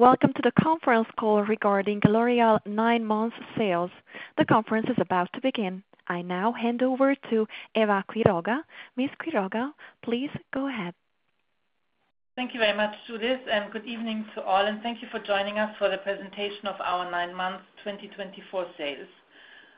Welcome to the conference call regarding L'Oréal nine months sales. The conference is about to begin. I now hand over to Eva Quiroga. Ms. Quiroga, please go ahead. Thank you very much, Judith, and good evening to all, and thank you for joining us for the presentation of our nine-month 2024 sales.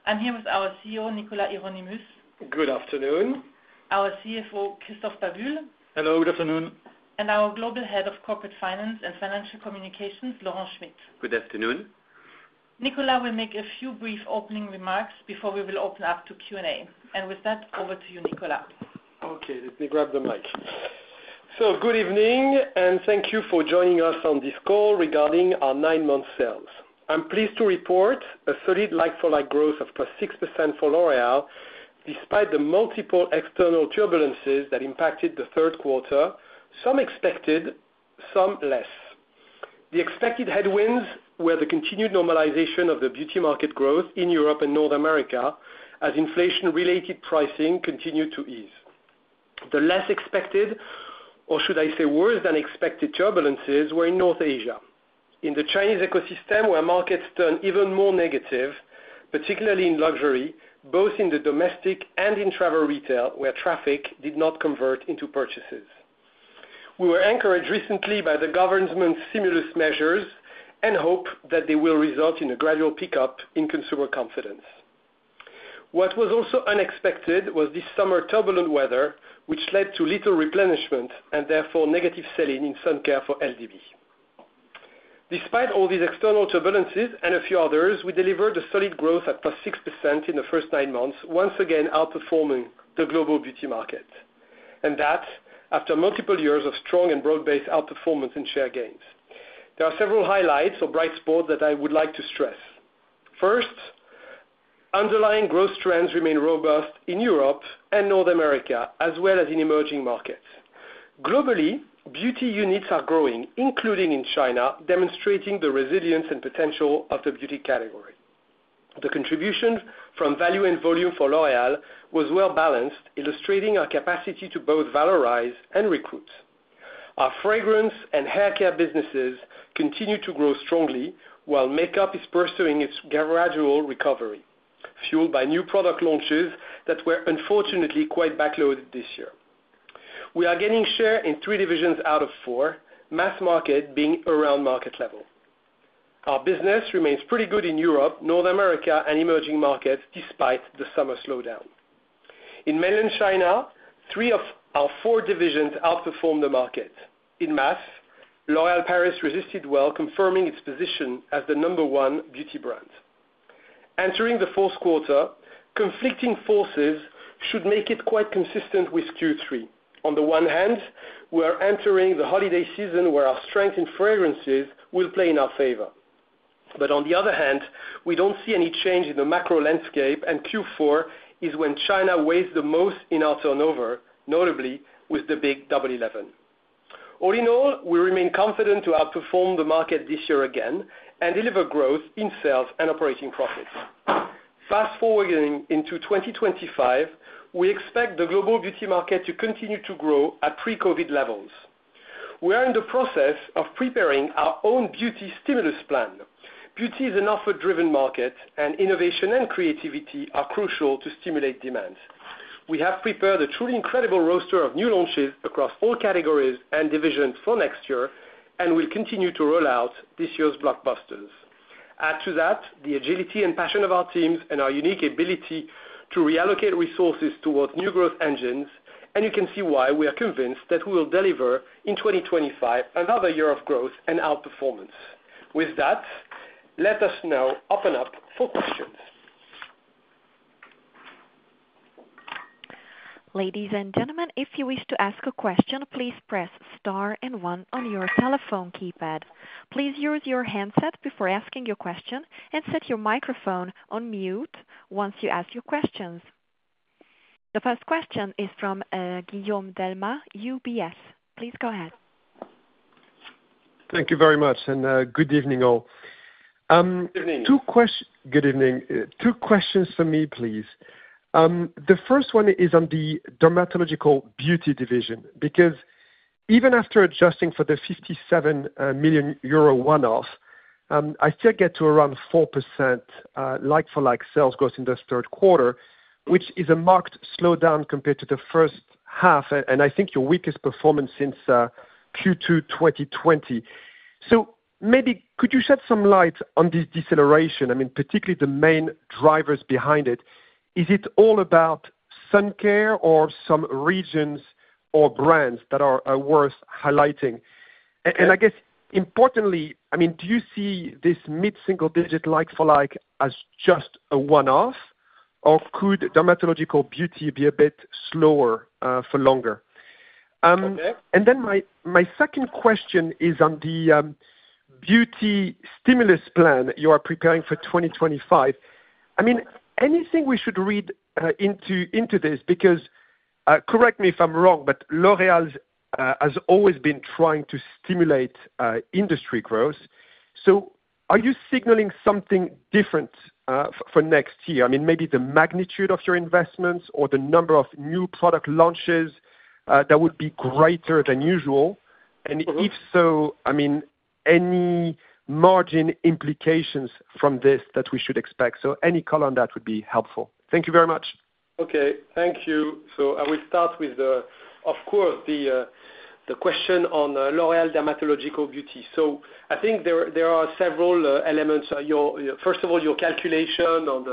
I'm here with our CEO, Nicolas Hieronimus. Good afternoon. Our CFO, Christophe Babule. Hello, good afternoon. Our Global Head of Corporate Finance and Financial Communications, Laurent Schmitt. Good afternoon. Nicolas will make a few brief opening remarks before we will open up to Q&A, and with that, over to you, Nicolas. Okay, let me grab the mic. So good evening, and thank you for joining us on this call regarding our nine-month sales. I'm pleased to report a solid like-for-like growth of plus 6% for L'Oréal, despite the multiple external turbulences that impacted the third quarter, some expected, some less. The expected headwinds were the continued normalization of the beauty market growth in Europe and North America, as inflation-related pricing continued to ease. The less expected, or should I say, worse than expected, turbulences were in North Asia. In the Chinese ecosystem, where markets turn even more negative, particularly in luxury, both in the domestic and in travel retail, where traffic did not convert into purchases. We were encouraged recently by the government's stimulus measures and hope that they will result in a gradual pickup in consumer confidence. What was also unexpected was this summer's turbulent weather, which led to little replenishment and therefore negative sell-in in sun care for LDB. Despite all these external turbulences and a few others, we delivered a solid growth at plus 6% in the first nine months, once again outperforming the global beauty market, and that after multiple years of strong and broad-based outperformance in share gains. There are several highlights or bright spots that I would like to stress. First, underlying growth trends remain robust in Europe and North America, as well as in emerging markets. Globally, beauty units are growing, including in China, demonstrating the resilience and potential of the beauty category. The contribution from value and volume for L'Oréal was well balanced, illustrating our capacity to both valorize and recruit. Our fragrance and haircare businesses continue to grow strongly, while makeup is pursuing its gradual recovery, fueled by new product launches that were unfortunately quite backloaded this year. We are gaining share in three divisions out of four, mass market being around market level. Our business remains pretty good in Europe, North America, and emerging markets despite the summer slowdown. In Mainland China, three of our four divisions outperformed the market. In mass, L'Oréal Paris resisted well, confirming its position as the number one beauty brand. Entering the fourth quarter, conflicting forces should make it quite consistent with Q3. On the one hand, we are entering the holiday season, where our strength in fragrances will play in our favor. But on the other hand, we don't see any change in the macro landscape, and Q4 is when China weighs the most in our turnover, notably with the big Double Eleven. All in all, we remain confident to outperform the market this year again and deliver growth in sales and operating profits. Fast-forwarding into 2025, we expect the global beauty market to continue to grow at pre-COVID levels. We are in the process of preparing our own Beauty Stimulus Plan. Beauty is an offer-driven market, and innovation and creativity are crucial to stimulate demand. We have prepared a truly incredible roster of new launches across all categories and divisions for next year, and we'll continue to roll out this year's blockbusters. Add to that, the agility and passion of our teams and our unique ability to reallocate resources towards new growth engines, and you can see why we are convinced that we will deliver in 2025, another year of growth and outperformance. With that, let us now open up for questions. Ladies and gentlemen, if you wish to ask a question, please press star and one on your telephone keypad. Please use your handset before asking your question and set your microphone on mute once you ask your questions. The first question is from Guillaume Delmas, UBS. Please go ahead. Thank you very much, and good evening, all. Good evening. Good evening. Two questions from me, please. The first one is on the Dermatological Beauty division, because even after adjusting for the 57 million euro one-off, I still get to around 4% like-for-like sales growth in this third quarter, which is a marked slowdown compared to the first half, and I think your weakest performance since Q2 2020. So maybe could you shed some light on this deceleration, I mean, particularly the main drivers behind it? Is it all about sun care or some regions or brands that are worth highlighting? And I guess importantly, I mean, do you see this mid-single-digit like-for-like as just a one-off, or could Dermatological Beauty be a bit slower for longer? Okay. And then my second question is on the Beauty Stimulus Plan you are preparing for 2025. I mean, anything we should read into this? Because, correct me if I'm wrong, but L'Oréal has always been trying to stimulate industry growth. Are you signaling something different for next year? I mean, maybe the magnitude of your investments or the number of new product launches that would be greater than usual. And if so, I mean, any margin implications from this that we should expect? So any color on that would be helpful. Thank you very much. Okay, thank you. I will start with, of course, the question on L'Oréal Dermatological Beauty. I think there are several elements. Your first of all, your calculation on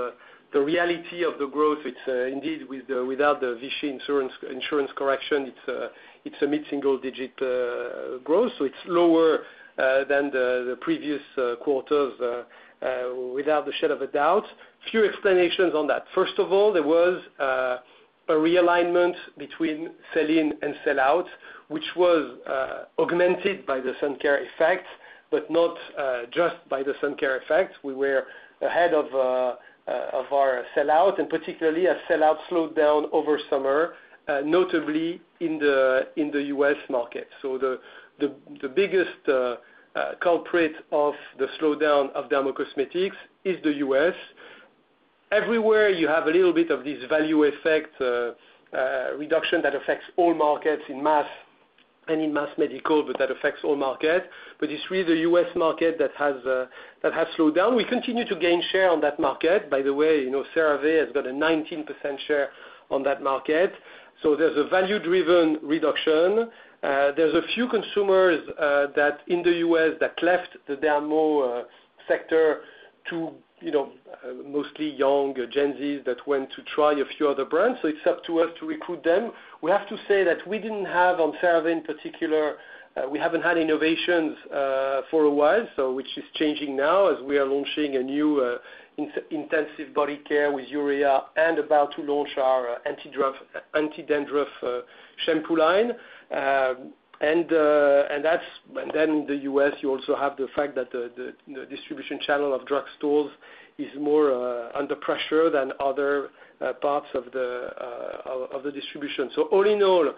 the reality of the growth, it's indeed, without the Vichy insurance correction, it's a mid-single digit growth. So it's lower than the previous quarters without a shadow of a doubt. Few explanations on that. First of all, there was a realignment between sell-in and sell-out, which was augmented by the sun care effect, but not just by the sun care effect. We were ahead of our sell-out, and particularly a sell-out slowdown over summer, notably in the U.S. market. So the biggest culprit of the slowdown of dermacosmetics is the U.S. Everywhere, you have a little bit of this value effect reduction that affects all markets in mass and in derm, but that affects all markets. But it's really the U.S. market that has slowed down. We continue to gain share on that market. By the way, you know, CeraVe has got a 19% share on that market. So there's a value-driven reduction. There's a few consumers that in the U.S. that left the derma sector to, you know, mostly young Gen Z that went to try a few other brands, so it's up to us to recruit them. We have to say that we didn't have on CeraVe, in particular, we haven't had innovations for a while, so which is changing now as we are launching a new intensive body care with urea and about to launch our anti-dandruff shampoo line. And that's. And then in the U.S., you also have the fact that the distribution channel of drugstores is more under pressure than other parts of the distribution. So all in all,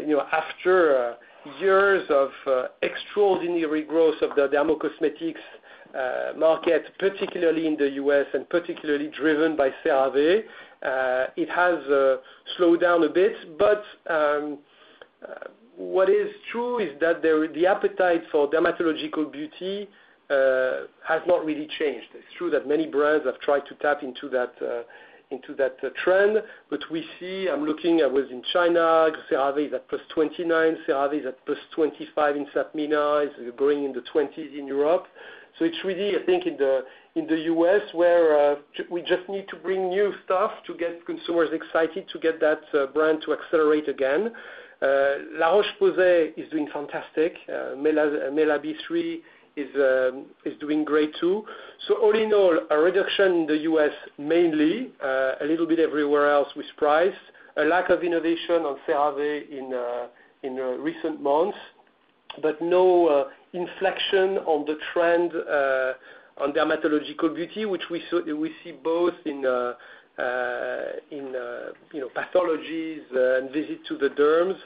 you know, after years of extraordinary growth of the dermocosmetics market, particularly in the U.S. and particularly driven by CeraVe, it has slowed down a bit. But what is true is that the appetite for dermatological beauty has not really changed. It's true that many brands have tried to tap into that trend, but we see, I'm looking at within China, CeraVe is at +29%, CeraVe is at +25% in SAPMENA, is growing in the 20s% in Europe. So it's really, I think, in the U.S., where we just need to bring new stuff to get consumers excited, to get that brand to accelerate again. La Roche-Posay is doing fantastic. Mela B3 is doing great too. So all in all, a reduction in the U.S., mainly, a little bit everywhere else with price. A lack of innovation on CeraVe in recent months, but no inflection on the trend on Dermatological Beauty, which we see both in you know pathologies and visits to the derms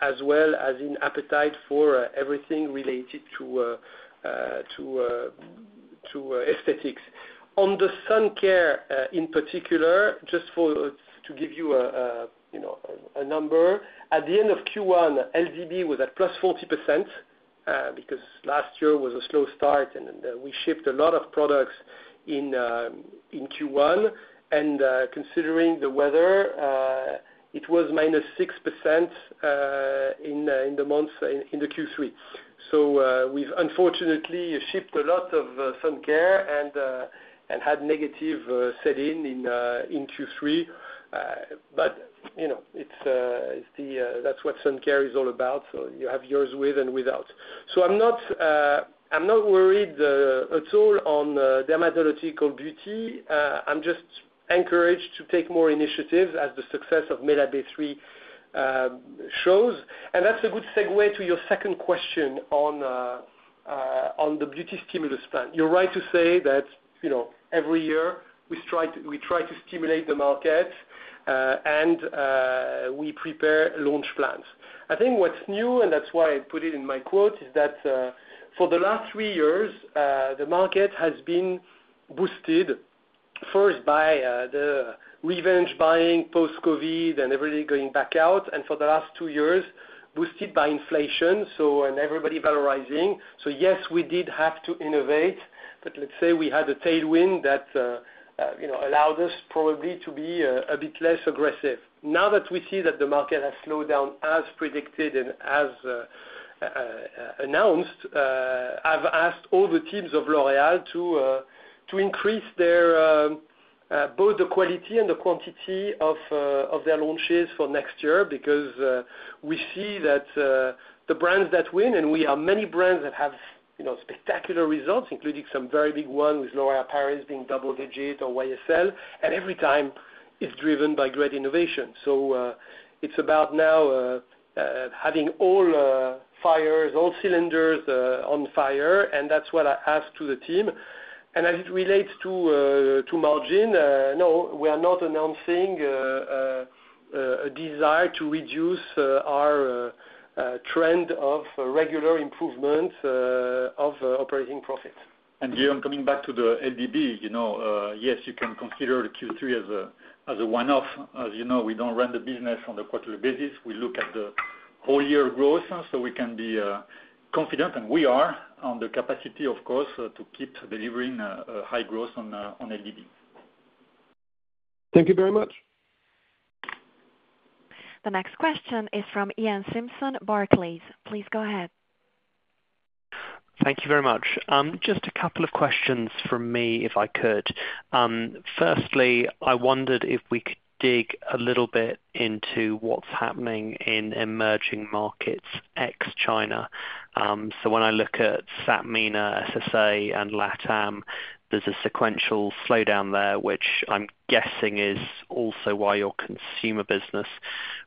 as well as in appetite for everything related to aesthetics. On the sun care in particular, just to give you a you know a number, at the end of Q1, LDB was at +40%, because last year was a slow start, and we shipped a lot of products in Q1. Considering the weather, it was -6% in the months in the Q3. We've unfortunately shipped a lot of sun care and had negative sell-in in Q3. But, you know, it's what sun care is all about, so you have years with and without. I'm not worried at all on Dermatological Beauty. I'm just encouraged to take more initiatives as the success of Mela B3 shows. That's a good segue to your second question on the Beauty Stimulus Plan. You're right to say that, you know, every year we try to stimulate the market, and we prepare launch plans. I think what's new, and that's why I put it in my quote, is that, for the last three years, the market has been boosted first by the revenge buying post-COVID and everybody going back out, and for the last two years, boosted by inflation, so and everybody valorizing. So yes, we did have to innovate, but let's say we had a tailwind that, you know, allowed us probably to be a bit less aggressive. Now that we see that the market has slowed down as predicted and as announced, I've asked all the teams of L'Oréal to increase their both the quality and the quantity of their launches for next year, because we see that the brands that win, and we are many brands that have, you know, spectacular results, including some very big ones, with L'Oréal Paris being double digits or YSL, and every time it's driven by great innovation, so it's about now having all fires, all cylinders on fire, and that's what I ask to the team, and as it relates to margin, no, we are not announcing a desire to reduce our trend of regular improvement of operating profits. Here, I'm coming back to the LDB, you know. Yes, you can consider the Q3 as a one-off. As you know, we don't run the business on a quarterly basis. We look at the whole year growth, so we can be confident, and we are on the capacity, of course, to keep delivering a high growth on LDB. Thank you very much. The next question is from Iain Simpson, Barclays. Please go ahead. Thank you very much. Just a couple of questions from me, if I could. Firstly, I wondered if we could dig a little bit into what's happening in emerging markets ex China. So when I look at SAPMENA-SSA and LATAM, there's a sequential slowdown there, which I'm guessing is also why your consumer business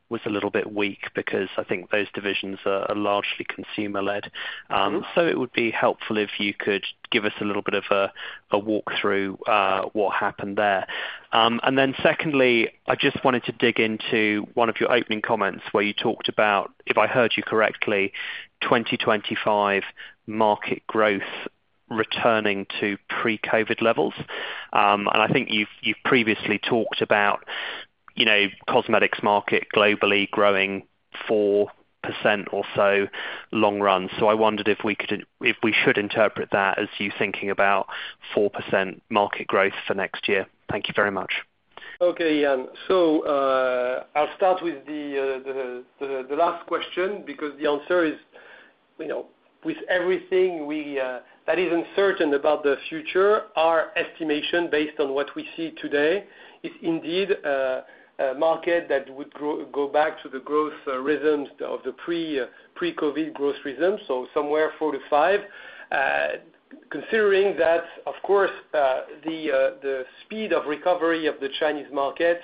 was a little bit weak, because I think those divisions are largely consumer-led. So it would be helpful if you could give us a little bit of a walk through what happened there. And then secondly, I just wanted to dig into one of your opening comments where you talked about, if I heard you correctly, 2025 market growth returning to pre-COVID levels. And I think you've previously talked about, you know, cosmetics market globally growing 4% or so long run. I wondered if we could, if we should interpret that as you thinking about 4% market growth for next year? Thank you very much. Okay, Iain. So, I'll start with the last question because the answer is, you know, with everything that is uncertain about the future, our estimation based on what we see today is indeed a market that would go back to the growth rhythms of the pre-COVID growth rhythms, so somewhere four to five. Considering that, of course, the speed of recovery of the Chinese market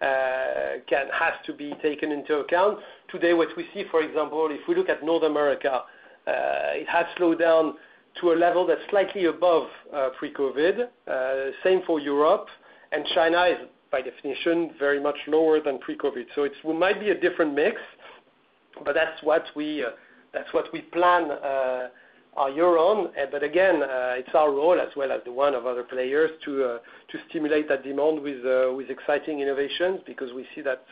has to be taken into account. Today, what we see, for example, if we look at North America, it has slowed down to a level that's slightly above pre-COVID. Same for Europe. And China is, by definition, very much lower than pre-COVID. So it might be a different mix, but that's what we plan our year on. But again, it's our role as well as the one of other players to stimulate that demand with exciting innovations, because we see that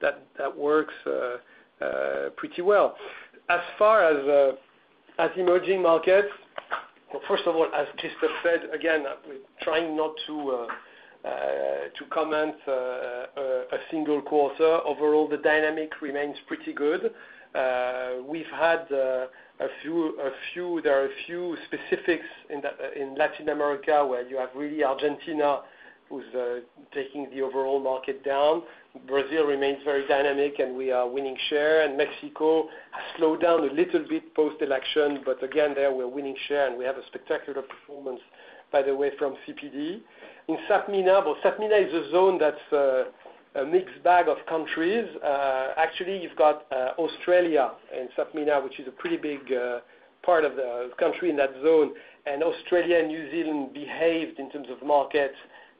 that works pretty well. As far as emerging markets, well, first of all, as Christophe said, again, we're trying not to comment a single quarter. Overall, the dynamic remains pretty good. We've had a few; there are a few specifics in Latin America, where you have really Argentina, who's taking the overall market down. Brazil remains very dynamic, and we are winning share, and Mexico has slowed down a little bit post-election, but again, there we're winning share, and we have a spectacular performance, by the way, from CPD. In SAPMENA, well, SAPMENA is a zone that's a mixed bag of countries. Actually, you've got Australia in SAPMENA, which is a pretty big part of the country in that zone. And Australia and New Zealand behaved in terms of markets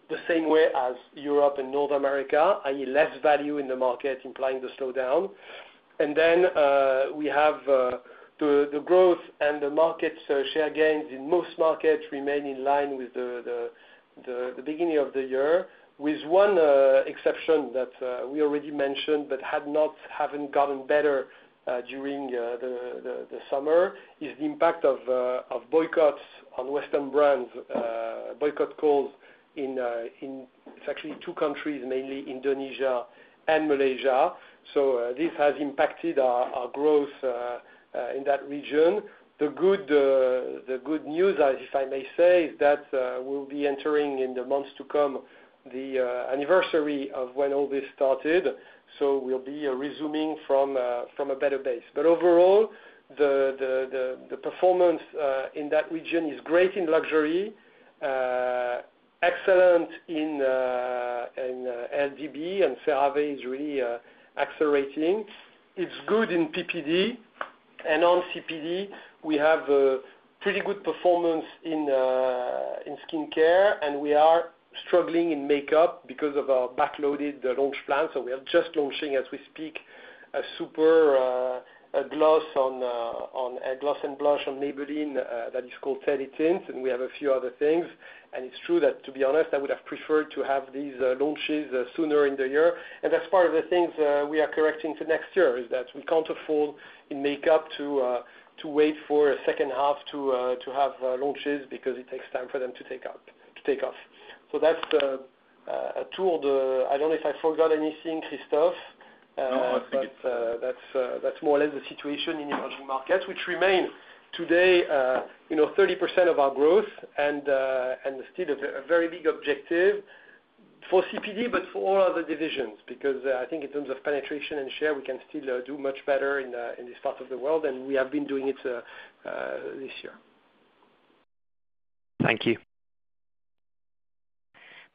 the same way as Europe and North America, i.e., less value in the market, implying the slowdown. And then we have the growth and the market share gains in most markets remain in line with the beginning of the year, with one exception that we already mentioned, but haven't gotten better during the summer: the impact of boycotts on Western brands, boycott calls in; it's actually two countries, mainly Indonesia and Malaysia. So this has impacted our growth in that region. The good news, if I may say, is that we'll be entering in the months to come the anniversary of when all this started, so we'll be resuming from a better base. But overall, the performance in that region is great in luxury, excellent in LDB, and CeraVe is really accelerating. It's good in PPD and on CPD, we have a pretty good performance in skincare, and we are struggling in makeup because of our backloaded launch plan. So we are just launching, as we speak, a super gloss on a gloss and blush on Maybelline that is called Teddy Tint, and we have a few other things. And it's true that, to be honest, I would have preferred to have these, launches, sooner in the year. And that's part of the things, we are correcting to next year, is that we can't afford in makeup to, to wait for a second half to, to have, launches, because it takes time for them to take out, to take off. So that's the, a tool. The... I don't know if I forgot anything, Christophe? No, I think- But that's more or less the situation in emerging markets, which remain today, you know, 30% of our growth and still a very big objective for CPD, but for all other divisions, because I think in terms of penetration and share, we can still do much better in this part of the world, and we have been doing it this year. Thank you.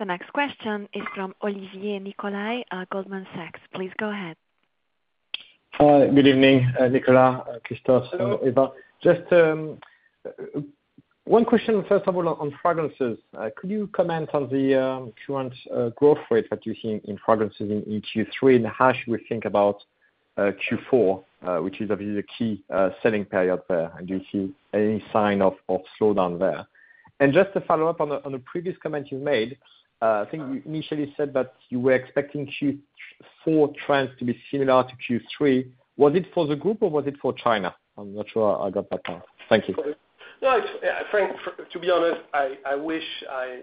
The next question is from Olivier Nicolaï at Goldman Sachs. Please go ahead. Hi, good evening, Nicolas, Christophe, and Eva. Just one question, first of all, on fragrances. Could you comment on the current growth rate that you're seeing in fragrances in Q3? And how should we think about Q4, which is obviously the key selling period there, and do you see any sign of slowdown there? And just to follow up on a previous comment you made, I think you initially said that you were expecting Q4 trends to be similar to Q3. Was it for the group, or was it for China? I'm not sure I got that part. Thank you. No, it's, yeah, frank-, to be honest, I wish I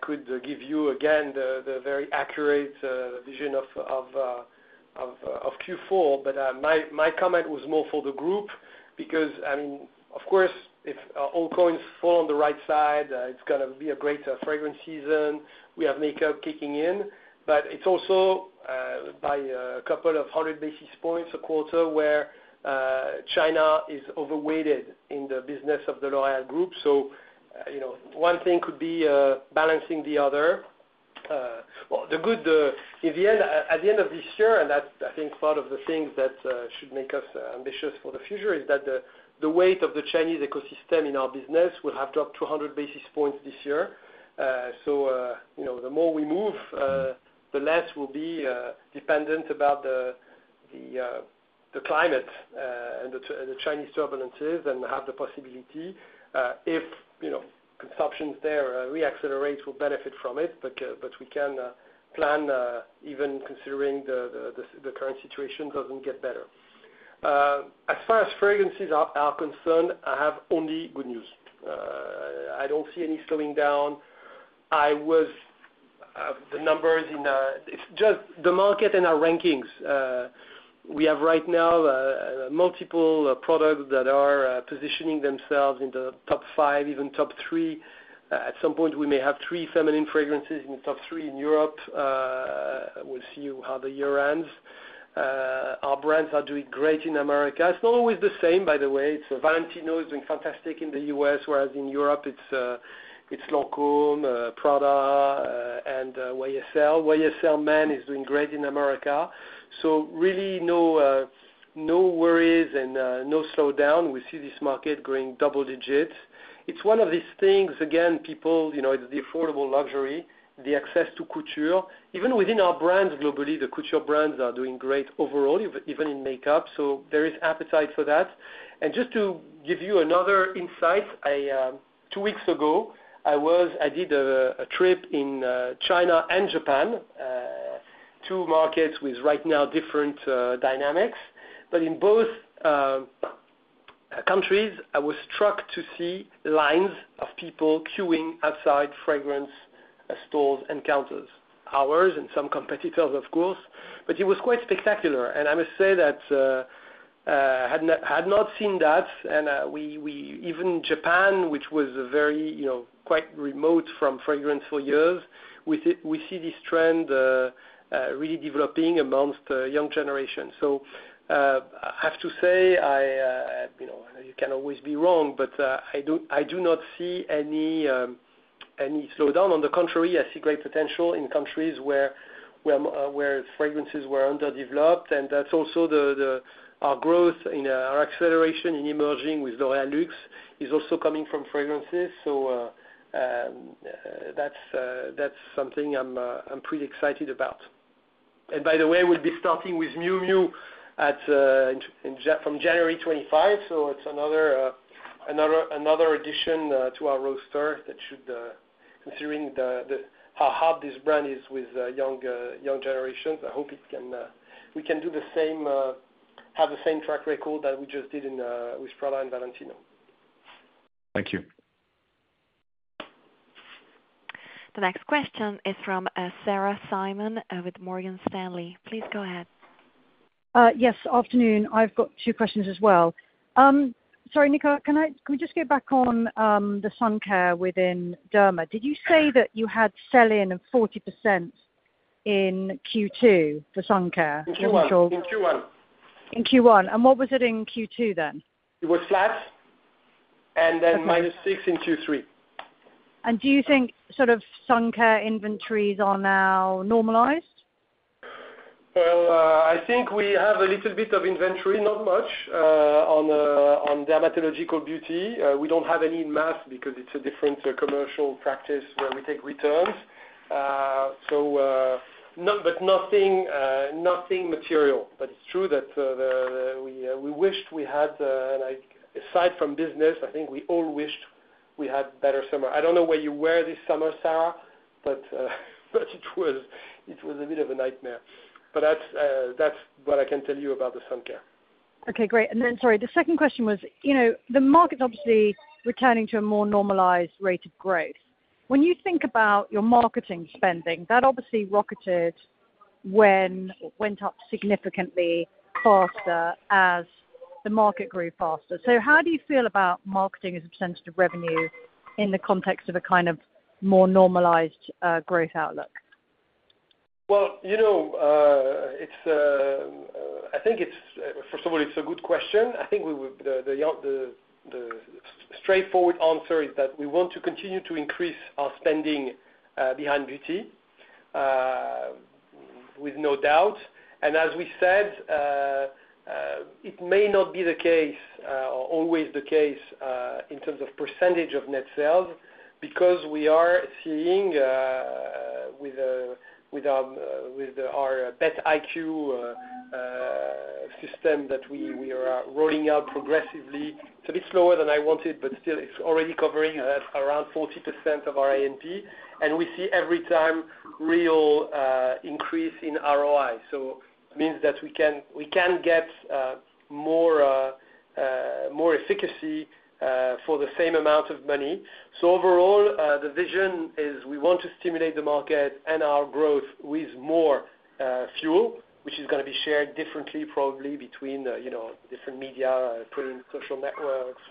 could give you again the very accurate vision of Q4, but my comment was more for the group. Because, I mean, of course, if all coins fall on the right side, it's gonna be a great fragrance season. We have makeup kicking in. But it's also by a couple of hundred basis points a quarter, where China is overweighted in the business of the L'Oréal Group. So, you know, one thing could be balancing the other. Well, the good... At the end of this year, and that, I think, part of the things that should make us ambitious for the future, is that the weight of the Chinese ecosystem in our business will have dropped 200 basis points this year. So, you know, the more we move, the less we'll be dependent about the climate and the Chinese turbulences, and have the possibility, if, you know, consumptions there reaccelerates, we will benefit from it. But we can plan even considering the current situation doesn't get better. As far as fragrances are concerned, I have only good news. I don't see any slowing down. I was the numbers in. It's just the market and our rankings. We have right now multiple products that are positioning themselves in the top five, even top three. At some point we may have three feminine fragrances in the top three in Europe. We'll see how the year ends. Our brands are doing great in America. It's not always the same, by the way. So Valentino is doing fantastic in the U.S., whereas in Europe it's Lancôme, Prada, and YSL. YSL Man is doing great in America, so really no no worries and no slowdown. We see this market growing double digits. It's one of these things, again, people, you know, it's the affordable luxury, the access to couture. Even within our brands globally, the couture brands are doing great overall, even in makeup, so there is appetite for that. And just to give you another insight, I two weeks ago I did a trip in China and Japan, two markets with right now different dynamics. But in both countries I was struck to see lines of people queuing outside fragrance stores and counters, ours and some competitors, of course. But it was quite spectacular, and I must say that I had not seen that, and we even Japan, which was very you know quite remote from fragrance for years, we see this trend really developing amongst the young generation. So I have to say I you know you can always be wrong, but I do not see any slowdown. On the contrary, I see great potential in countries where fragrances were underdeveloped, and that's also our growth and our acceleration in emerging with L'Oréal Luxe is also coming from fragrances. So, that's something I'm pretty excited about. And by the way, we'll be starting with Miu Miu in Japan from January 2025. So it's another addition to our roster that should, considering how hot this brand is with young generations, I hope we can do the same, have the same track record that we just did with Prada and Valentino. Thank you. The next question is from Sarah Simon with Morgan Stanley. Please go ahead. Yes. Afternoon. I've got two questions as well. Sorry, Nicolas, can I, can we just go back on the sun care within Derma? Did you say that you had sell-in of 40% in Q2 for sun care? I'm not sure. In Q1. In Q1, and what was it in Q2, then? It was flat- Okay. -and then -6% in Q3. Do you think sort of sun care inventories are now normalized? I think we have a little bit of inventory, not much, on Dermatological Beauty. We don't have any mass because it's a different commercial practice where we take returns. So, not but nothing material. But it's true that we wished we had, like, aside from business, I think we all wished we had better summer. I don't know where you were this summer, Sarah, but it was a bit of a nightmare. But that's what I can tell you about the sun care. Okay, great. And then, sorry, the second question was, you know, the market's obviously returning to a more normalized rate of growth. When you think about your marketing spending, that obviously rocketed when, went up significantly faster as the market grew faster. So how do you feel about marketing as a percentage of revenue in the context of a kind of more normalized growth outlook? Well, you know, it's, I think it's, first of all, it's a good question. I think we would. The straightforward answer is that we want to continue to increase our spending behind beauty with no doubt. And as we said, it may not be the case or always the case in terms of percentage of net sales, because we are seeing with our BETiq system that we are rolling out progressively. It's a bit slower than I wanted, but still it's already covering around 40% of our A&P, and we see every time real increase in ROI. So it means that we can get more efficacy for the same amount of money. So overall, the vision is we want to stimulate the market and our growth with more fuel, which is gonna be shared differently, probably between, you know, different media, putting social networks,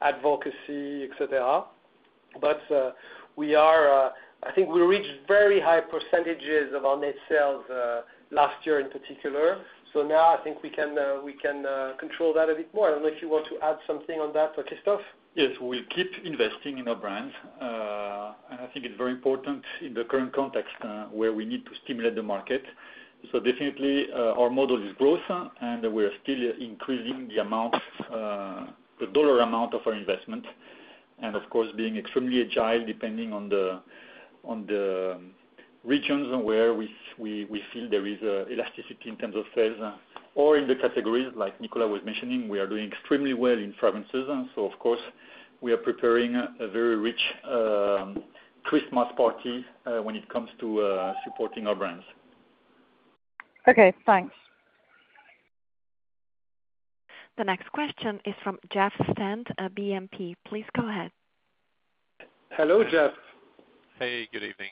advocacy, et cetera. But we are, I think we reached very high percentages of our net sales last year in particular. So now I think we can control that a bit more. I don't know if you want to add something on that, Christophe? Yes, we keep investing in our brands, and I think it's very important in the current context, where we need to stimulate the market. So definitely, our model is growth, and we are still increasing the amount, the dollar amount of our investment. And of course, being extremely agile, depending on the regions where we feel there is elasticity in terms of sales or in the categories like Nicolai was mentioning, we are doing extremely well in fragrances. So of course, we are preparing a very rich Christmas party when it comes to supporting our brands. Okay, thanks. The next question is from Jeff Stent at BNP. Please go ahead. Hello, Jeff. Hey, good evening.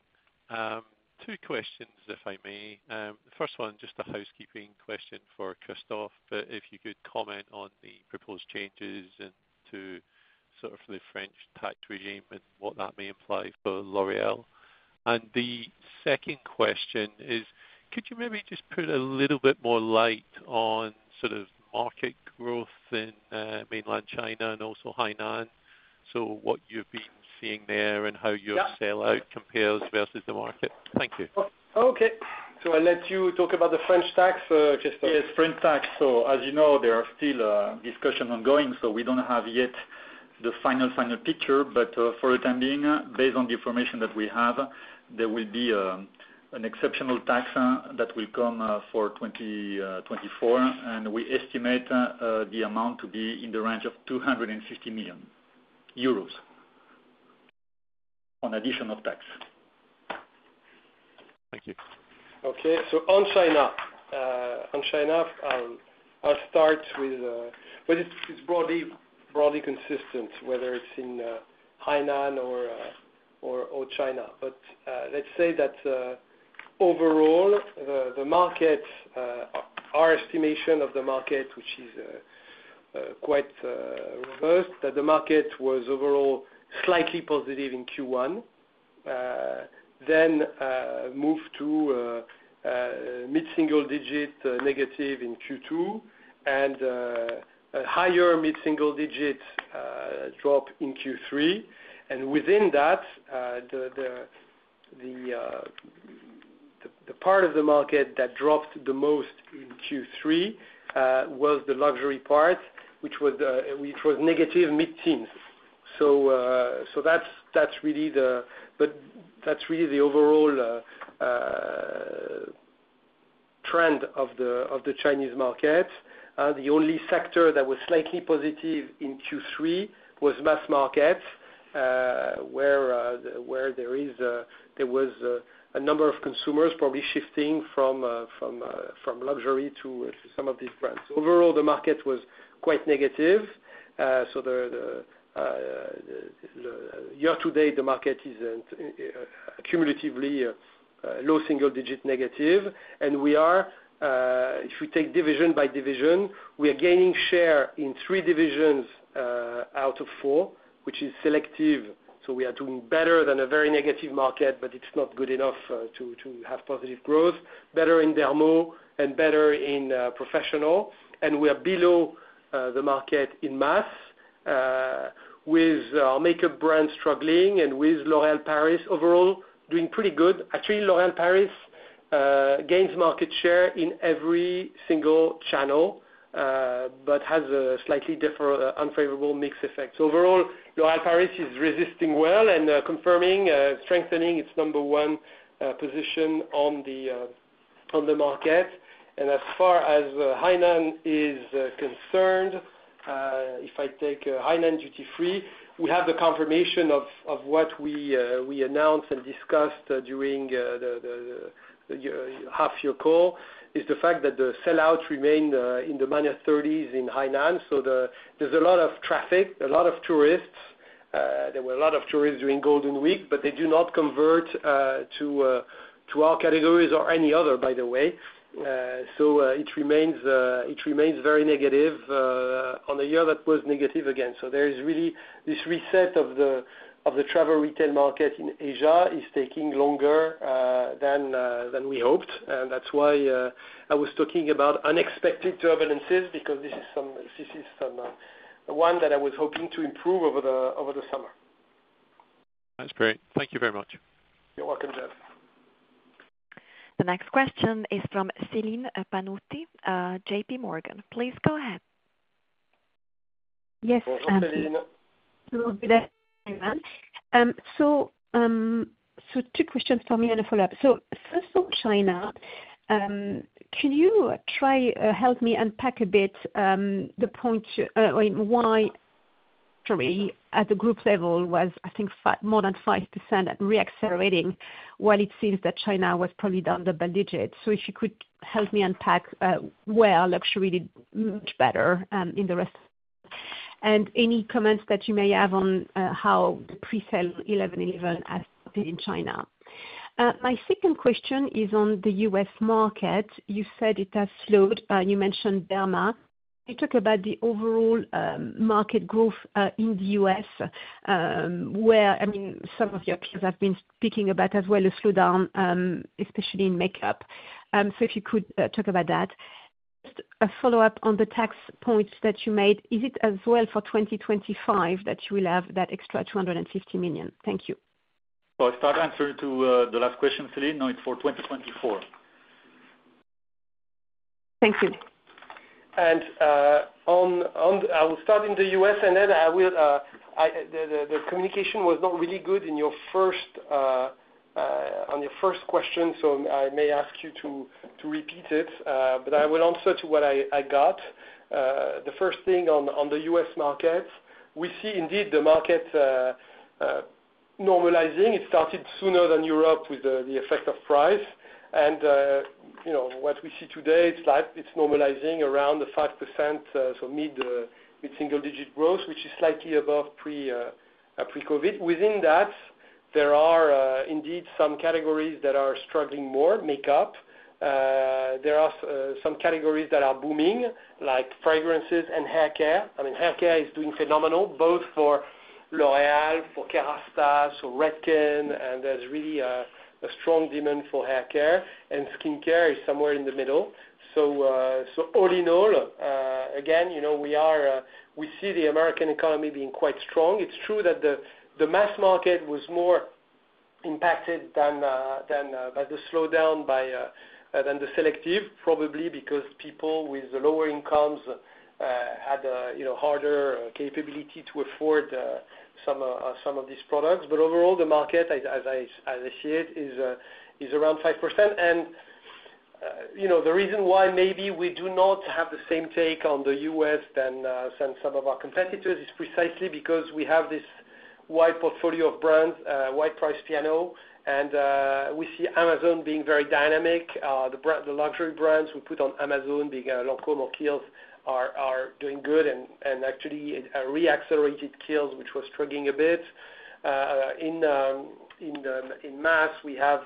Two questions, if I may. The first one, just a housekeeping question for Christophe. But if you could comment on the proposed changes and to sort of the French tax regime and what that may imply for L'Oréal. And the second question is, could you maybe just put a little bit more light on sort of market growth in mainland China and also Hainan? So what you've been seeing there and how your- Yeah.... sellout compares versus the market? Thank you. Okay. So I'll let you talk about the French tax, Christophe. Yes, French tax. So as you know, there are still discussions ongoing, so we don't have yet the final, final picture. But, for the time being, based on the information that we have, there will be an exceptional tax that will come for 2024. And we estimate the amount to be in the range of 250 million euros on additional tax. Thank you. Okay. So on China. On China, I'll start with, but it's broadly consistent, whether it's in Hainan or China. But let's say that overall, the market, our estimation of the market, which is quite robust, that the market was overall slightly positive in Q1. Then moved to mid-single digit negative in Q2, and a higher mid-single digit drop in Q3. And within that, the part of the market that dropped the most in Q3 was the luxury part, which was negative mid-teens. So that's really the... But that's really the overall trend of the Chinese market. The only sector that was slightly positive in Q3 was mass market, where there was a number of consumers probably shifting from luxury to some of these brands. Overall, the market was quite negative. So the year to date, the market is cumulatively low single digit negative. And we are, if we take division by division, we are gaining share in three divisions out of four, which is selective. So we are doing better than a very negative market, but it's not good enough to have positive growth. Better in Dermo and better in professional. And we are below the market in mass with our makeup brand struggling and with L'Oréal Paris overall doing pretty good. Actually, L'Oréal Paris gains market share in every single channel, but has a slightly different unfavorable mix effect, so overall, L'Oréal Paris is resisting well and confirming, strengthening its number one position on the market, and as far as Hainan is concerned, if I take Hainan duty-free, we have the confirmation of what we announced and discussed during the half year call, is the fact that the sell-out remain in the minus thirties in Hainan. So there's a lot of traffic, a lot of tourists. There were a lot of tourists during Golden Week, but they do not convert to our categories or any other, by the way, so it remains very negative on the year that was negative again. So there is really this reset of the Travel Retail market in Asia is taking longer than we hoped, and that's why I was talking about unexpected turbulences, because this is one that I was hoping to improve over the summer. That's great. Thank you very much. You're welcome, Jeff. The next question is from Celine Pannuti, JPMorgan. Please go ahead. Yes, thank you. Hello, Celine. Hello, good afternoon. So two questions for me and a follow-up. First on China, can you try to help me unpack a bit the point, I mean, why three at the group level was, I think, more than 5% reaccelerating, while it seems that China was probably down double digits. So if you could help me unpack where luxury did much better in the rest? And any comments that you may have on how the pre-sale Eleven Eleven has been in China. My second question is on the U.S. market. You said it has slowed, you mentioned Derma. Can you talk about the overall market growth in the U.S., where, I mean, some of your peers have been speaking about as well as slowdown, especially in makeup. So if you could talk about that. A follow-up on the tax points that you made, is it as well for 2025 that you will have that extra 250 million? Thank you. I'll start answering to the last question, Celine. No, it's for 2024. Thank you. I will start in the U.S., and then I will, the communication was not really good in your first, on your first question, so I may ask you to repeat it, but I will answer to what I got. The first thing on the U.S. market, we see indeed the market normalizing. It started sooner than Europe with the effect of price, and, you know, what we see today, it's like it's normalizing around the 5%, so mid-single digit growth, which is slightly above pre-COVID. Within that, there are indeed some categories that are struggling more: makeup. There are some categories that are booming, like fragrances and haircare. I mean, haircare is doing phenomenal, both for L'Oréal, for Kérastase, so Redken, and there's really a strong demand for haircare, and skincare is somewhere in the middle. So, all in all, again, you know, we are, we see the American economy being quite strong. It's true that the mass market was more impacted by the slowdown than the selective, probably because people with the lower incomes had, you know, harder capability to afford some of these products. But overall, the market, as I see it, is around 5%. You know, the reason why maybe we do not have the same take on the U.S. than some of our competitors is precisely because we have this wide portfolio of brands, wide price piano, and we see Amazon being very dynamic. The luxury brands we put on Amazon, e.g. Lancôme, Kiehl's, are doing good and actually re-accelerated Kiehl's, which was struggling a bit. In mass, we have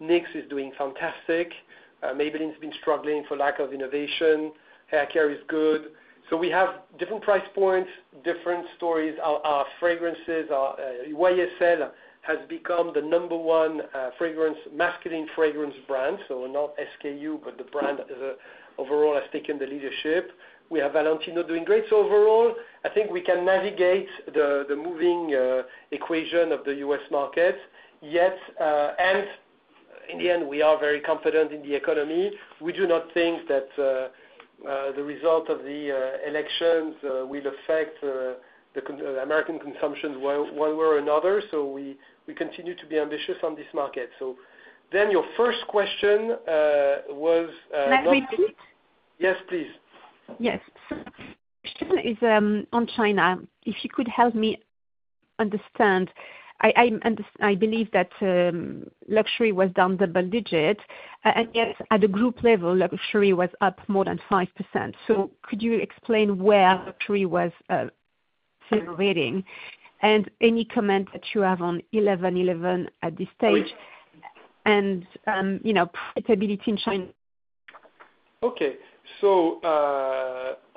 NYX is doing fantastic. Maybelline has been struggling for lack of innovation. Haircare is good. We have different price points, different stories. Our fragrances, our YSL has become the number one fragrance, masculine fragrance brand, so not SKU, but the brand overall has taken the leadership. We have Valentino doing great. So overall, I think we can navigate the moving equation of the U.S. market. Yet, and in the end, we are very confident in the economy. We do not think that the result of the elections will affect the American consumption one way or another. So we continue to be ambitious on this market. So then your first question was- Can I repeat? Yes, please. Yes. First question is on China. If you could help me understand, I believe that luxury was down double digits, and yet at the group level, luxury was up more than 5%. So could you explain where luxury was generating? And any comment that you have on eleven eleven at this stage? Oh. - and, you know, profitability in China? Okay. So,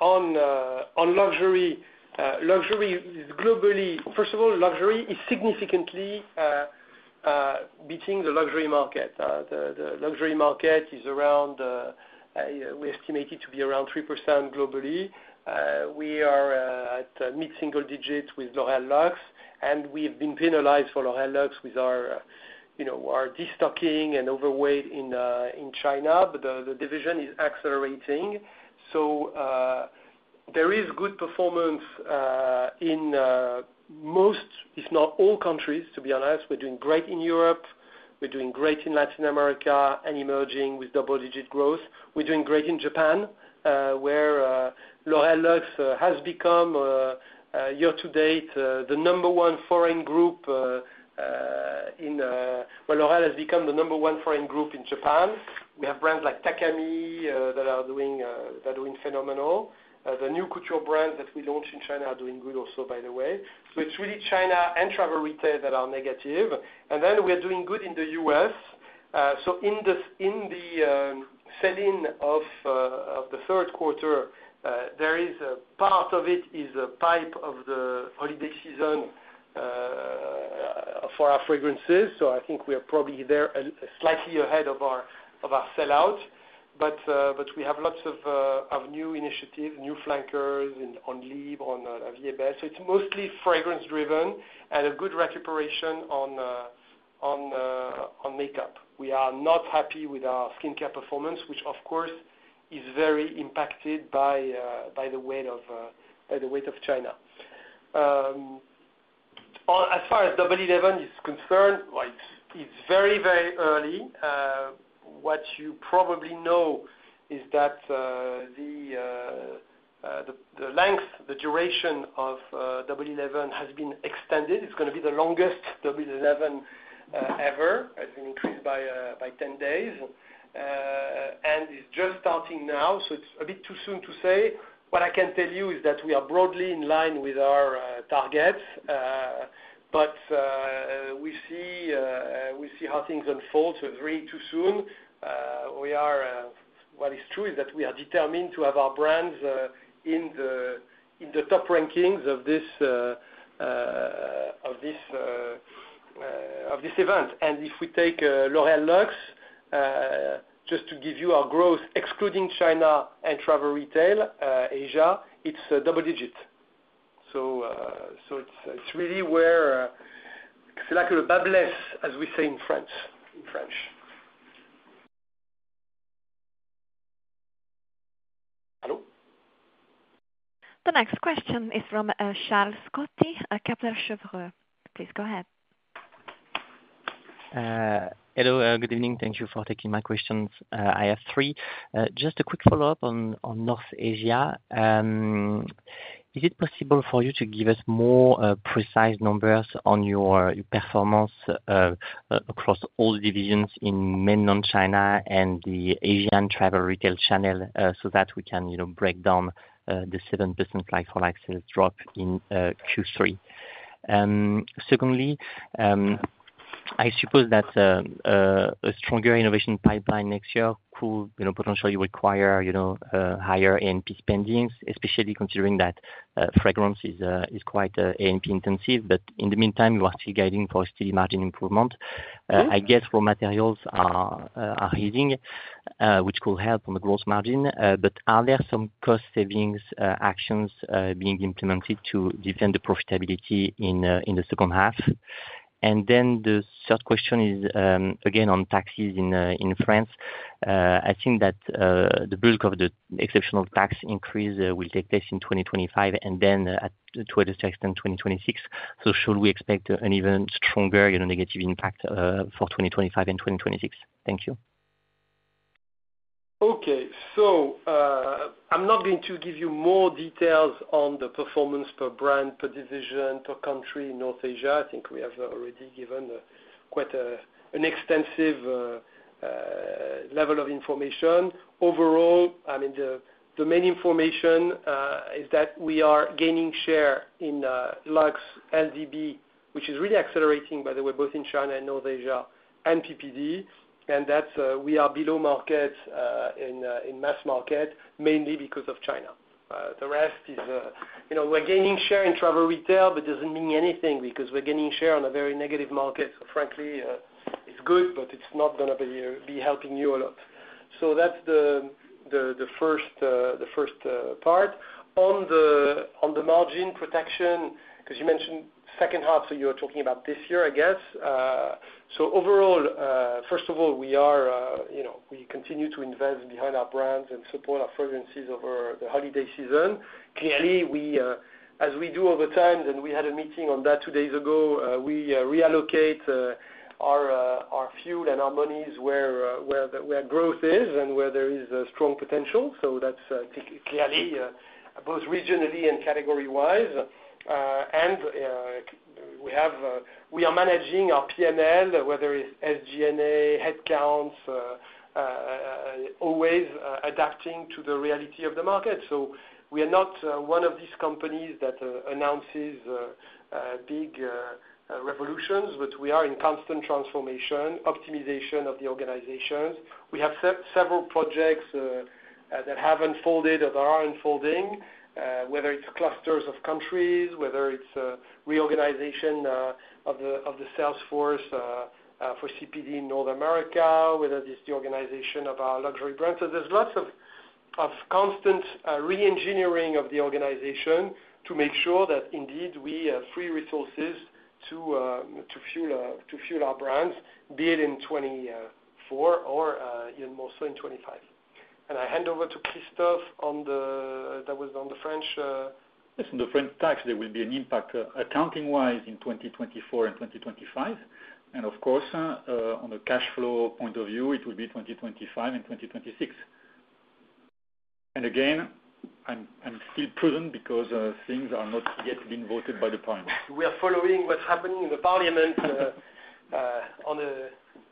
on luxury globally. First of all, luxury is significantly beating the luxury market. The luxury market is around, we estimate it to be around 3% globally. We are at mid-single digits with L'Oréal Luxe, and we've been penalized for L'Oréal Luxe with our, you know, our destocking and overweight in China, but the division is accelerating. So, there is good performance in most, if not all countries, to be honest. We're doing great in Europe, we're doing great in Latin America, and emerging with double-digit growth. We're doing great in Japan, where L'Oréal Lux has become year to date the number one foreign group, well, L'Oréal has become the number one foreign group in Japan. We have brands like Takami that are doing phenomenal. The new couture brands that we launched in China are doing good also, by the way. So it's really China and travel retail that are negative. And then we are doing good in the U.S. So in this, in the sell-in of the third quarter, there is a part of it that is a hype of the holiday season for our fragrances. So I think we are probably there slightly ahead of our sellout. But we have lots of new initiatives, new flankers on Libre, on YSL. So it's mostly fragrance driven and a good recuperation on makeup. We are not happy with our skincare performance, which of course is very impacted by the weight of China. As far as Double Eleven is concerned, well, it's very early. What you probably know is that the length, the duration of Double Eleven has been extended. It's gonna be the longest Double Eleven ever. It's increased by ten days, and it's just starting now, so it's a bit too soon to say. What I can tell you is that we are broadly in line with our targets, but we see how things unfold. So it's really too soon. We are... What is true is that we are determined to have our brands in the top rankings of this event, and if we take L'Oréal Luxe just to give you our growth, excluding China and travel retail, Asia, it's double digit, so it's really where it's like a babbleless, as we say in France, in French. Hello? The next question is from Charles Scotti, Kepler Cheuvreux. Please go ahead. Hello, good evening. Thank you for taking my questions. I have three. Just a quick follow-up on North Asia. Is it possible for you to give us more precise numbers on your performance across all divisions in Mainland China and the Asian travel retail channel, so that we can, you know, break down the 7% like-for-like sales drop in Q3? Secondly, I suppose that a stronger innovation pipeline next year could, you know, potentially require, you know, higher A&P spending, especially considering that fragrance is quite A&P intensive. But in the meantime, you are still guiding for steady margin improvement. I guess raw materials are rising, which could help on the gross margin. But are there some cost savings actions being implemented to defend the profitability in the second half? And then the third question is, again, on taxes in France. I think that the bulk of the exceptional tax increase will take place in 2025 and then also extend to 2026. So should we expect an even stronger, you know, negative impact for 2025 and 2026? Thank you. Okay. So, I'm not going to give you more details on the performance per brand, per division, per country in North Asia. I think we have already given quite an extensive level of information. Overall, I mean, the main information is that we are gaining share in Luxe LDB, which is really accelerating, by the way, both in China and North Asia, and PPD. And that's we are below market in mass market, mainly because of China. The rest is, you know, we're gaining share in travel retail, but it doesn't mean anything because we're gaining share on a very negative market. So frankly, it's good, but it's not gonna be helping you a lot. So that's the first part. On the margin protection, because you mentioned second half, so you're talking about this year, I guess. So overall, first of all, we are, you know, we continue to invest behind our brands and support our fragrances over the holiday season. Clearly, we, as we do all the time, and we had a meeting on that two days ago, we reallocate our fuel and our monies where the growth is and where there is a strong potential. So that's clearly both regionally and category-wise. And we are managing our P&L, whether it's SG&A, headcounts, always adapting to the reality of the market. So we are not one of these companies that announces big revolutions, but we are in constant transformation, optimization of the organizations. We have several projects that have unfolded or are unfolding, whether it's clusters of countries, whether it's reorganization of the sales force for CPD in North America, whether it's the organization of our luxury brands. So there's lots of constant reengineering of the organization to make sure that indeed we have free resources to fuel our brands, be it in 2024 or even more so in 2025. And I hand over to Christophe on the, that was on the French. Yes, on the French tax, there will be an impact accounting-wise in 2024 and 2025. And of course, on the cash flow point of view, it will be 2025 and 2026. And again, I'm still prudent because things are not yet been voted by the parliament. We are following what's happening in the parliament on an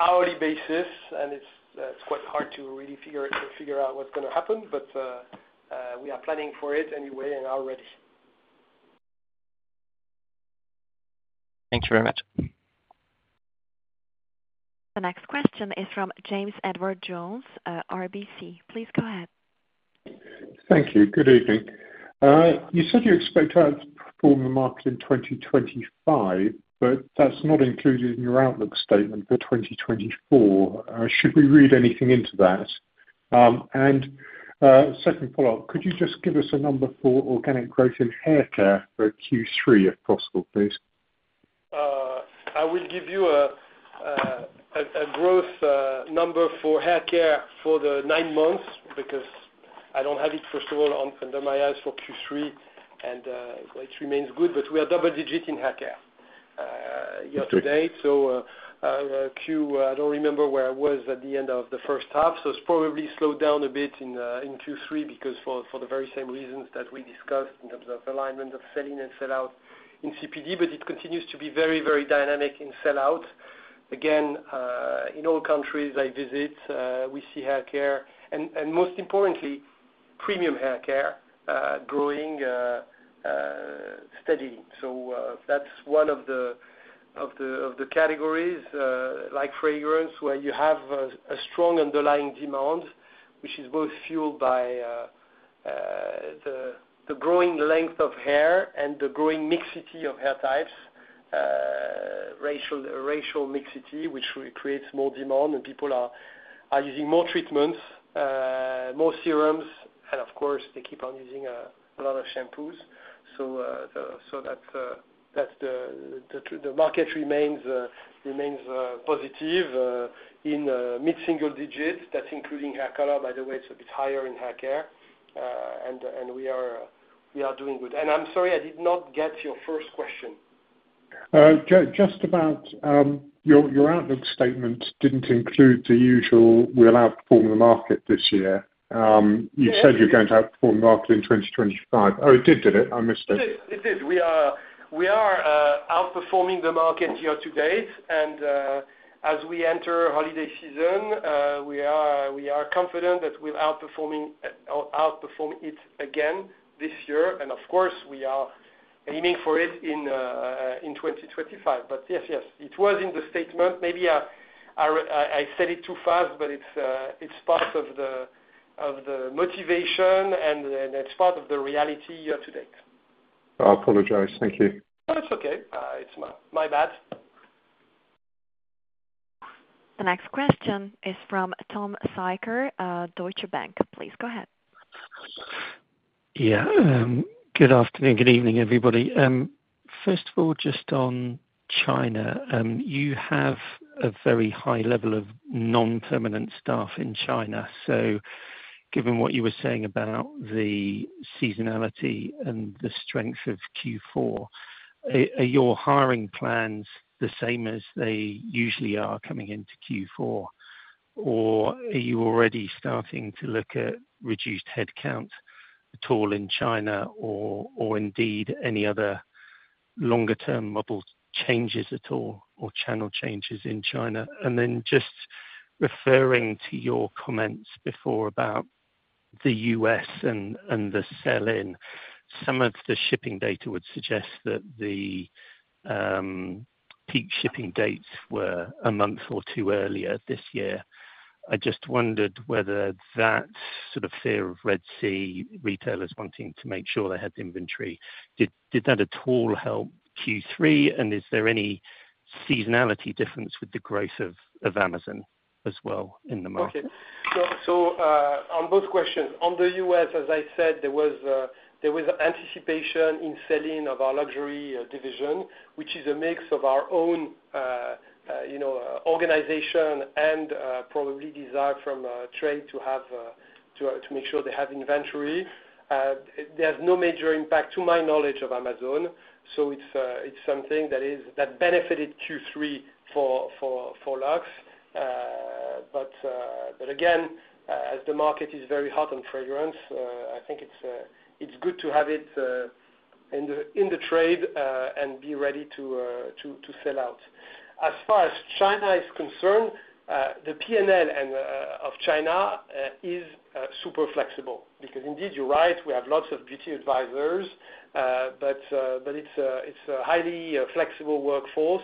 hourly basis, and it's quite hard to really figure out what's going to happen, but we are planning for it anyway and are ready. Thank you very much. The next question is from James Edwardes Jones, RBC. Please go ahead. Thank you. Good evening. You said you expect to outperform the market in 2025, but that's not included in your outlook statement for 2024. Should we read anything into that? And, second follow-up, could you just give us a number for organic growth in haircare for Q3, if possible, please? I will give you a growth number for haircare for the nine months, because I don't have it, first of all, under my eyes for Q3, and it remains good, but we are double digit in haircare year to date. So, I don't remember where I was at the end of the first half, so it's probably slowed down a bit in Q3, because for the very same reasons that we discussed in terms of alignment of sell-in and sell-out in CPD, but it continues to be very, very dynamic in sell-out. Again, in all countries I visit, we see haircare, and most importantly, premium haircare growing steadily. So, that's one of the categories, like fragrance, where you have a strong underlying demand, which is both fueled by the growing length of hair and the growing mixity of hair types, racial mixity, which creates more demand, and people are using more treatments, more serums, and of course, they keep on using a lot of shampoos. So, that's the market remains positive in mid-single digits. That's including hair color, by the way, it's a bit higher in haircare. And we are doing good. And I'm sorry, I did not get your first question. Just about your outlook statement didn't include the usual, "We'll outperform the market this year." You said you're going to outperform the market in 2025. Oh, it did, did it? I missed it. It did. It did. We are, we are, outperforming the market year to date, and, as we enter holiday season, we are, we are confident that we're outperforming, outperforming it again this year. And of course, we are aiming for it in, in 2025. But yes, yes, it was in the statement. Maybe I, I, I said it too fast, but it's, it's part of the, of the motivation and, and it's part of the reality year to date. I apologize. Thank you. No, it's okay. It's my bad. The next question is from Tom Sykes, Deutsche Bank. Please go ahead. Yeah. Good afternoon. Good evening, everybody. First of all, just on China, you have a very high level of non-permanent staff in China. So given what you were saying about the seasonality and the strength of Q4, are your hiring plans the same as they usually are coming into Q4? Or are you already starting to look at reduced headcount at all in China or, or indeed any other longer term model changes at all, or channel changes in China? And then just referring to your comments before about the U.S. and, and the sell-in, some of the shipping data would suggest that the peak shipping dates were a month or two earlier this year. I just wondered whether that sort of fear of Red Sea retailers wanting to make sure they had the inventory, did that at all help Q3? Is there any seasonality difference with the growth of Amazon as well in the market? Okay. So on both questions, on the U.S., as I said, there was anticipation in selling of our luxury division, which is a mix of our own, you know, organization and probably desire from trade to have to make sure they have inventory. There's no major impact, to my knowledge, of Amazon, so it's something that benefited Q3 for Luxe. But again, as the market is very hot on fragrance, I think it's good to have it in the trade and be ready to sell out. As far as China is concerned, the P&L and of China is super flexible, because indeed, you're right, we have lots of beauty advisors, but it's a highly flexible workforce.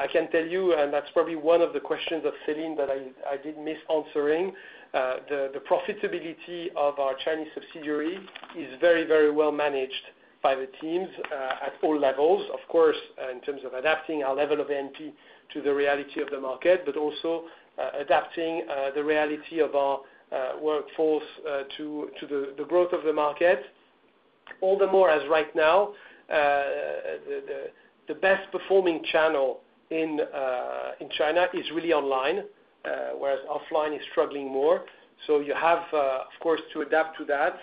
I can tell you, and that's probably one of the questions of Celine that I did miss answering, the profitability of our Chinese subsidiary is very, very well managed by the teams at all levels. Of course, in terms of adapting our level of NP to the reality of the market, but also adapting the reality of our workforce to the growth of the market. All the more as right now, the best performing channel in China is really online, whereas offline is struggling more. So you have, of course, to adapt to that,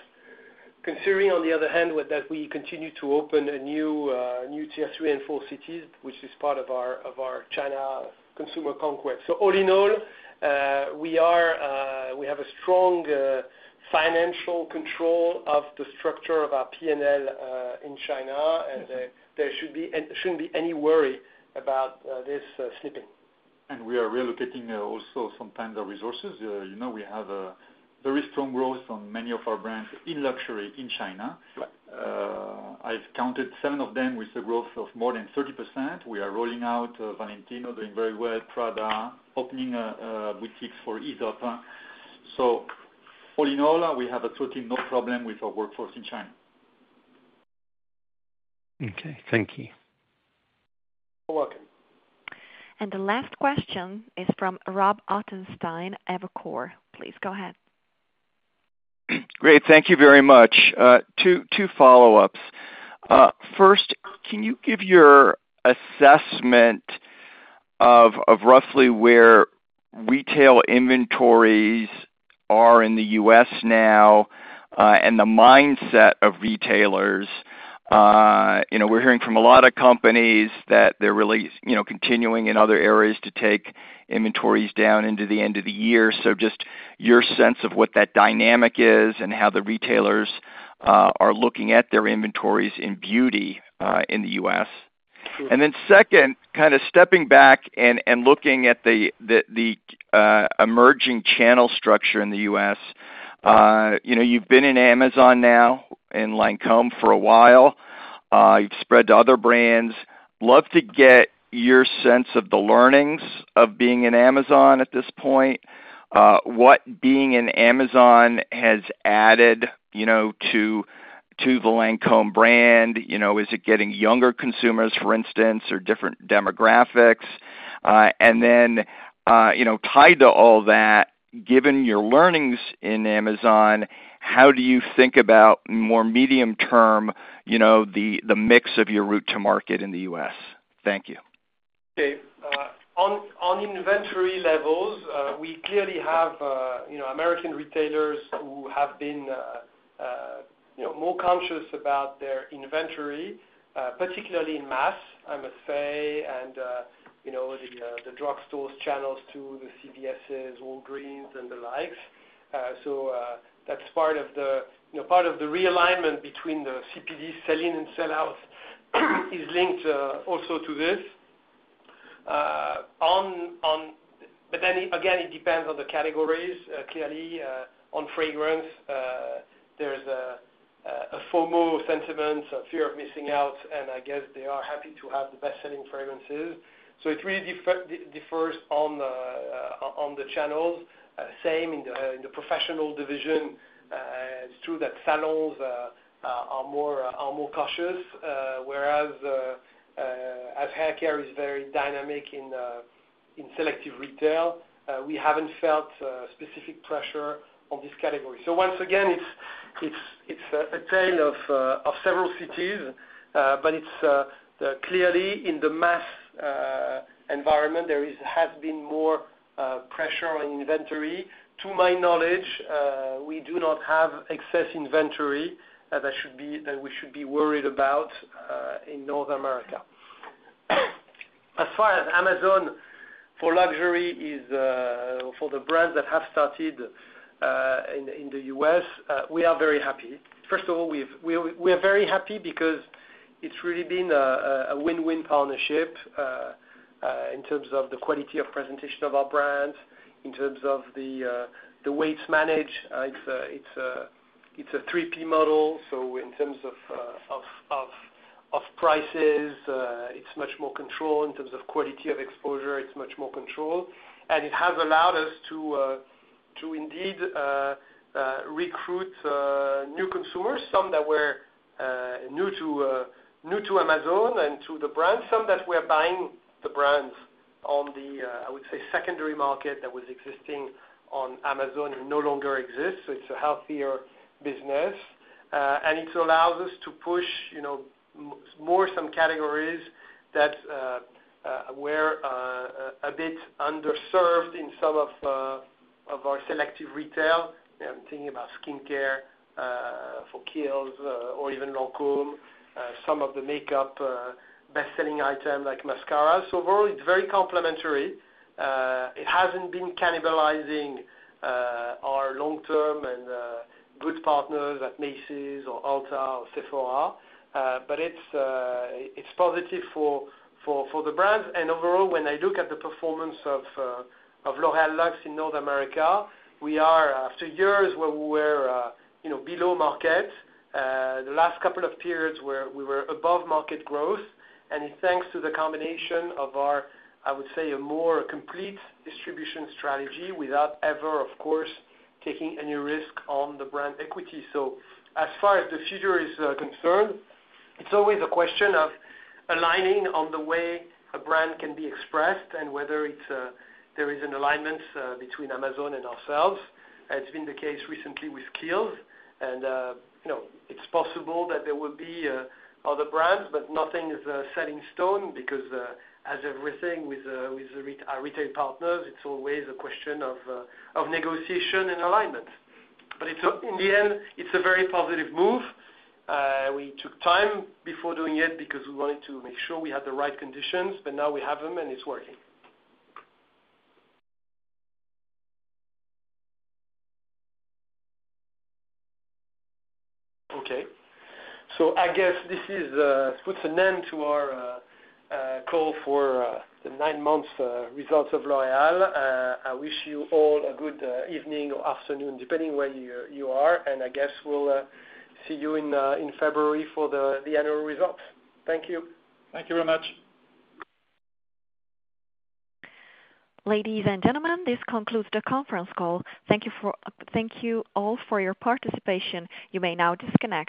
considering on the other hand, with that we continue to open a new tier three and four cities, which is part of our China consumer conquest. So all in all, we have a strong financial control of the structure of our P&L in China, and there should be and there shouldn't be any worry about this slipping. We are relocating also some tender resources. You know, we have a very strong growth on many of our brands in luxury in China. Right. I've counted seven of them with a growth of more than 30%. We are rolling out Valentino, doing very well, Prada, opening, boutiques for Aesop. So all in all, we have absolutely no problem with our workforce in China. Okay, thank you. You're welcome. The last question is from Robert Ottenstein, Evercore. Please go ahead. Great. Thank you very much. Two follow-ups. First, can you give your assessment of roughly where retail inventories are in the U.S. now, and the mindset of retailers? You know, we're hearing from a lot of companies that they're really, you know, continuing in other areas to take inventories down into the end of the year. So just your sense of what that dynamic is and how the retailers are looking at their inventories in beauty, in the U.S. And then second, kind of stepping back and looking at the emerging channel structure in the U.S. You know, you've been in Amazon now, in Lancôme for a while. You've spread to other brands. Love to get your sense of the learnings of being in Amazon at this point. What being in Amazon has added, you know, to the Lancôme brand. You know, is it getting younger consumers, for instance, or different demographics? And then, you know, tied to all that, given your learnings in Amazon, how do you think about more medium-term, you know, the mix of your route to market in the U.S.? Thank you. Okay. On inventory levels, we clearly have, you know, American retailers who have been, you know, more conscious about their inventory, particularly in mass, I must say, and, you know, the drugstore channels to the CVS's, Walgreens, and the likes. So, that's part of the, you know, part of the realignment between the CPD sell-in and sell-out is linked, also to this. But then again, it depends on the categories. Clearly, on fragrance, there's a FOMO sentiment, a fear of missing out, and I guess they are happy to have the best-selling fragrances. So it really differs on the channels. Same in the professional division. It's true that salons are more cautious, whereas as haircare is very dynamic in selective retail, we haven't felt specific pressure on this category. So once again, it's a tale of several cities, but it's clearly in the mass environment, there has been more pressure on inventory. To my knowledge, we do not have excess inventory that we should be worried about in North America. As far as Amazon, for luxury is for the brands that have started in the U.S., we are very happy. First of all, we are very happy because it's really been a win-win partnership in terms of the quality of presentation of our brand, in terms of the way it's managed. It's a 3P model, so in terms of prices, it's much more controlled. In terms of quality of exposure, it's much more controlled, and it has allowed us to indeed recruit new consumers, some that were new to Amazon and to the brand, some that were buying the brands on the, I would say, secondary market that was existing on Amazon and no longer exists, so it's a healthier business. And it allows us to push, you know, more some categories that were a bit underserved in some of our selective retail. I'm thinking about skincare for Kiehl's or even Lancôme some of the makeup bestselling item like mascara. So overall, it's very complementary. It hasn't been cannibalizing our long-term and good partners at Macy's or Ulta or Sephora, but it's positive for the brands. And overall, when I look at the performance of L'Oréal Luxe in North America, we are, after years where we were, you know, below market, the last couple of periods where we were above market growth, and it's thanks to the combination of our, I would say, a more complete distribution strategy without ever, of course, taking any risk on the brand equity. So as far as the future is concerned, it's always a question of aligning on the way a brand can be expressed and whether it's a, there is an alignment, between Amazon and ourselves. It's been the case recently with Kiehl's, and, you know, it's possible that there will be other brands, but nothing is set in stone, because, as everything with our retail partners, it's always a question of negotiation and alignment. But in the end, it's a very positive move. We took time before doing it because we wanted to make sure we had the right conditions, but now we have them, and it's working. Okay. So I guess this puts an end to our call for the nine months results of L'Oréal. I wish you all a good evening or afternoon, depending on where you are, and I guess we'll see you in February for the annual results. Thank you. Thank you very much. Ladies and gentlemen, this concludes the conference call. Thank you for- thank you all for your participation. You may now disconnect.